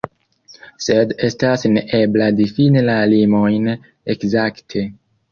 Sed estas neebla difini la limojn ekzakte.